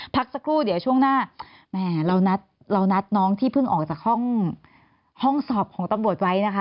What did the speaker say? พักสักครู่เดี๋ยวช่วงหน้าแหมเรานัดเรานัดน้องที่เพิ่งออกจากห้องสอบของตำรวจไว้นะคะ